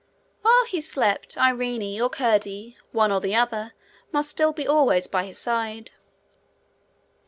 While he slept, Irene or Curdie, one or the other, must still be always by his side.